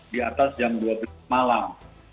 di atas jam dua belas malam